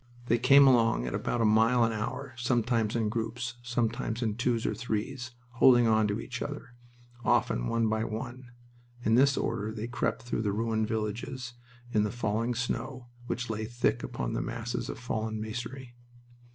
They came along at about a mile an hour, sometimes in groups, sometimes by twos or threes, holding on to each other, often one by one. In this order they crept through the ruined villages in the falling snow, which lay thick upon the masses of fallen masonry.